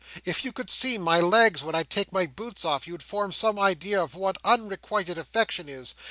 If you could see my legs when I take my boots off, you'd form some idea of what unrequited affection is.